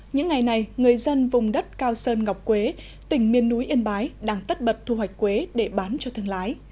những ngày này người dân vùng đất cao sơn ngọc quế tỉnh miên núi yên bái đang tất bật thu hoạch quế để bán cho thương lái